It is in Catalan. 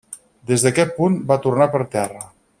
Des d'aquest punt va tornar per terra.